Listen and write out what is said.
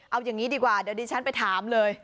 เอาอย่างนี้ดีกว่าเดี๋ยวดิฉันไปถามเลย